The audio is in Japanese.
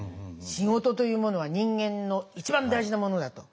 「仕事というものは人間の一番大事なものだ」と。